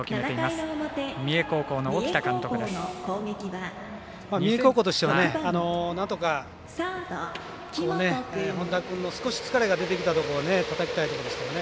三重高校としてはなんとか本田君の少し疲れが出てきたところをたたきたいところですけどね。